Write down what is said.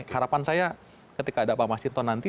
harapan saya ketika ada pak masjid ton nanti